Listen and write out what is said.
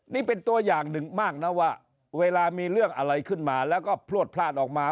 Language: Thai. นี่เป็นตัวอย่างหนึ่งมากนะว่าเวลามีเรื่องอะไรขึ้นมาแล้วก็พลวดพลาดออกมา